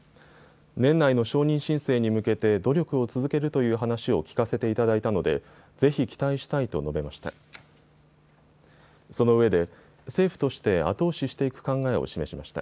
年内の承認申請に向けて努力を続けるという話を聞かせていただいたのでぜひ期待したいと述べました。